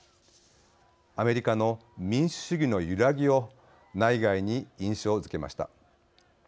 アメリカの民主主義の揺らぎを内外に印象づけました。